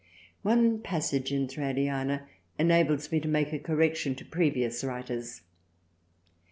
One passage in Thraliana enables me to make a correction to previous writers.